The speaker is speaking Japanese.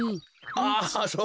あそうか。